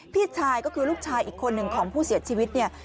พี่ชายก็คือลูกชายอีกคนหนึ่งของผู้เสียชีวิตเนี่ย